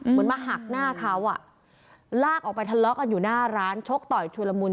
เหมือนมาหักหน้าเขาอ่ะลากออกไปทะเลาะกันอยู่หน้าร้านชกต่อยชุลมุน